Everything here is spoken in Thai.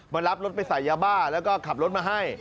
มารับรถไปใส่ยาบ้าแล้วก็ขับรถมาให้